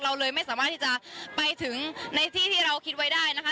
เราเลยไม่สามารถที่จะไปถึงในที่ที่เราคิดไว้ได้นะคะ